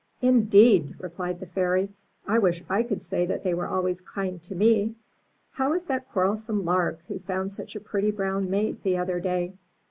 'Indeed!" replied the Fairy. '1 wish I could say that they were always kind to me. How is that quarrel some Lark, who found such a pretty brown mate the other day?"